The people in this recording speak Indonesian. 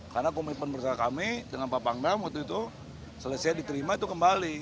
karena komitmen bersama kami dengan pak pangdam waktu itu selesai diterima itu kembali